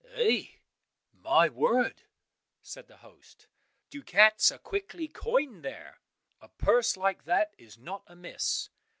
"Eh, my word," said the host, "ducats are quickly coined there! A purse like that is not amiss."